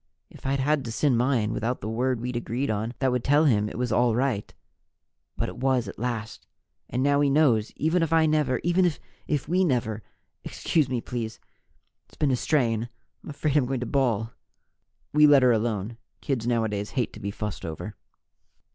If I'd had to send mine without the word we'd agreed on that would tell him it was all right But it was, at last! And now he knows, even if I never even if we never Excuse me, please, it's been a strain. I'm afraid I'm going to bawl." We let her alone. Kids nowadays hate to be fussed over.